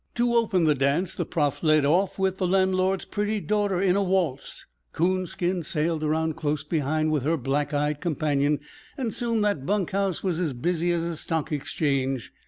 To open the dance, the Prof. led off with the landlord's pretty daughter in a waltz, Coonskin sailed around close behind with her black eyed companion, and soon that bunk house was as busy as a stock exchange.